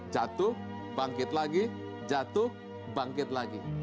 jatuh bangkit lagi jatuh bangkit lagi